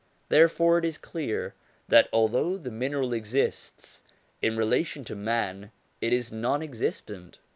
Therefore it is clear that although the mineral exists, in relation to man it is non existent.